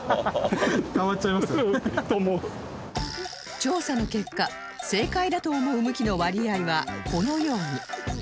調査の結果正解だと思う向きの割合はこのように